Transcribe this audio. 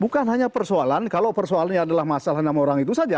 bukan hanya persoalan kalau persoalannya adalah masalah enam orang itu saja